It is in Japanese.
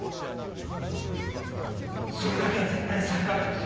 それだけは絶対に避けたかった。